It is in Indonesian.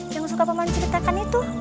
yang suka paman ceritakan itu